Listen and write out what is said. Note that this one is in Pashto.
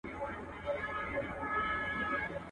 د مېړه خوی د زمري زړه غواړي.